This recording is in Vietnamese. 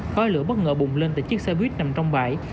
khói lửa bất ngờ bùng lên tại chiếc xe buýt nằm trong bãi